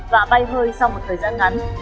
và bay hơi sau một thời gian ngắn